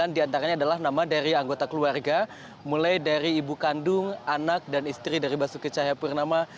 sembilan diantaranya adalah nama dari anggota keluarga mulai dari ibu kandung anak dan istri dari basuki cahayapurnama